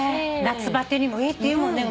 夏バテにもいいっていうもんね